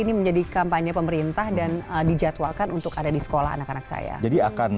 ini menjadi kampanye pemerintah dan dijadwalkan untuk ada di sekolah anak anak saya dia akan